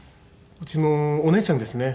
うちのお姉ちゃんですね。